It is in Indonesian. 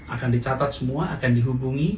akan dicatat semua akan dihubungi